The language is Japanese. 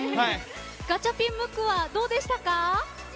ガチャピン・ムックはどうでしたか？